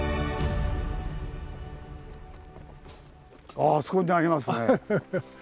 ああそこにありますね。